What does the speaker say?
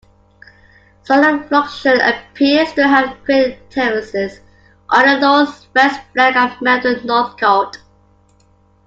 Solifluction appears to have created terraces on the north west flank of Mount Northcote.